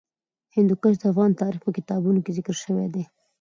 هندوکش د افغان تاریخ په کتابونو کې ذکر شوی دي.